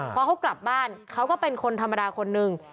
พอเขากลับบ้านเขาก็เป็นคนธรรมดาคนนึง